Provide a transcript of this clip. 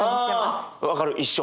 あ分かる一緒。